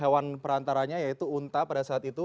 hewan perantaranya yaitu unta pada saat itu